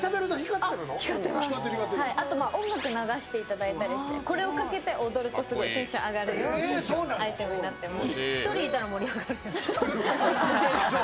あと、音楽流していただいたりして、これを掛けて踊るとすごくテンションが上がるアイテムになっています。